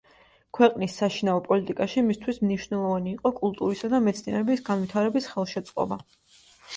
ქვეყნის საშინაო პოლიტიკაში მისთვის მნიშვნელოვანი იყო კულტურისა და მეცნიერების განვითარების ხელშეწყობა.